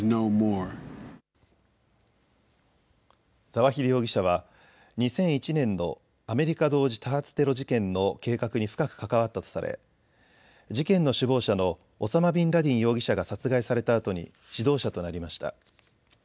ザワヒリ容疑者は２００１年のアメリカ同時多発テロ事件の計画に深く関わったとされ事件の首謀者のオサマ・ビンラディン容疑者が殺害されたあとに指導者となりました。